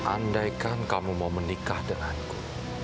andaikan kamu mau menikah denganku